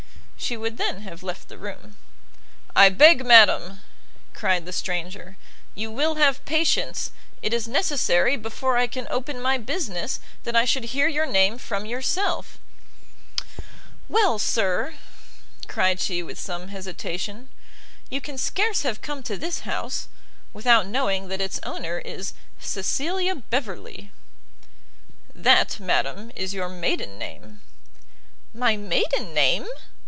She would then have left the room. "I beg, madam," cried the stranger, "you will have patience; it is necessary, before I can open my business, that I should hear your name from yourself." "Well, sir," cried she with some hesitation, "you can scarce have come to this house, without knowing that its owner is Cecilia Beverley." "That, madam, is your maiden name." "My maiden name?"